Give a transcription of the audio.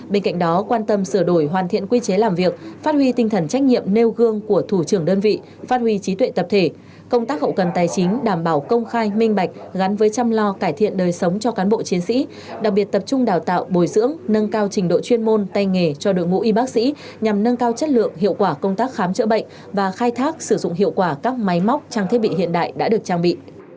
bên cạnh đó quan tâm sửa đổi hoàn thiện quy chế làm việc phát huy tinh thần trách nhiệm nêu gương của thủ trưởng đơn vị phát huy trí tuệ tập thể công tác hậu cần tài chính đảm bảo công khai minh bạch gắn với chăm lo cải thiện đời sống cho cán bộ chiến sĩ đặc biệt tập trung đào tạo bồi dưỡng nâng cao trình độ chuyên môn tay nghề cho đội ngũ y bác sĩ nhằm nâng cao chất lượng hiệu quả công tác khám chữa bệnh và khai thác sử dụng hiệu quả các máy móc trang thiết bị hiện đại đã được trang bị